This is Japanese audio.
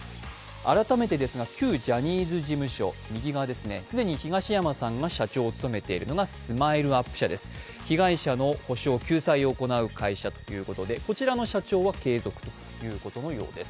改めてですが、旧ジャニーズ事務所、既に東山さんが社長を務めているのがＳＭＩＬＥ−ＵＰ．です。被害者の補償、救済を行う会社ということで、こちらの会社は継続ということです。